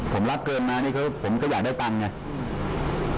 ผมรับเกินมานี่ผมก็อยากได้ตังค์ไง